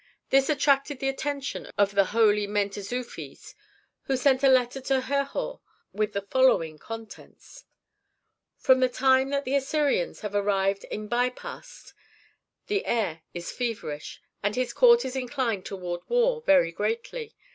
This attracted the attention of the holy Mentezufis, who sent a letter to Herhor with the following contents: "From the time that the Assyrians have arrived at Pi Bast the heir is feverish, and his court is inclined toward war very greatly.